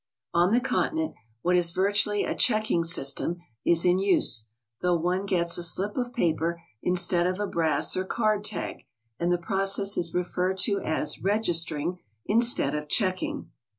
On the Continent what is virtually a checking system is in use, though one gets a slip of paper instead of a brass or card tag, and the process is referred to as ''registering" in stead' of "checking."